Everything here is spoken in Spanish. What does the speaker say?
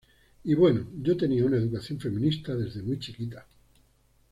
Y bueno, yo tenía una educación feminista desde muy chiquita".